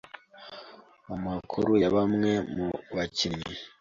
Amakuru ya bamwe mu bakinnyi